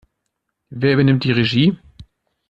Wer übernimmt die Regie?